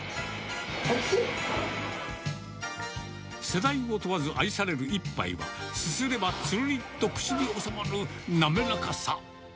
世代を問わず愛される一杯は、すすれば、つるりと口に収まる滑らかさ。